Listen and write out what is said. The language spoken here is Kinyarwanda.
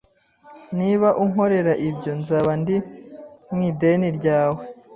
Niba unkorera ibyo, nzaba ndi mu ideni ryawe.